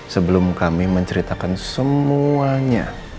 sebelum kami menceritakan semuanya